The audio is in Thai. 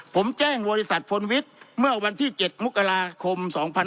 ผมแจ้งบริษัทพลวิทย์เมื่อวันที่๗มกราคม๒๕๖๒